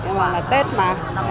nhưng mà là tết mà